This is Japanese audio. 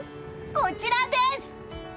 こちらです！